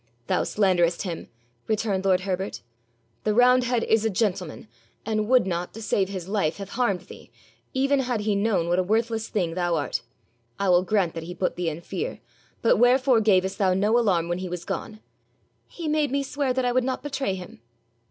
'Thou slanderest him,' returned lord Herbert. 'The roundhead is a gentleman, and would not, to save his life, have harmed thee, even had he known what a worthless thing thou art. I will grant that he put thee in fear. But wherefore gavest thou no alarm when he was gone?' 'He made me swear that I would not betray him.'